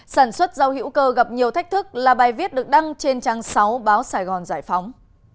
sản xuất rau hữu cơ gặp nhiều thách thức là bài viết được đăng trên trang sáu báo sài gòn giải phóng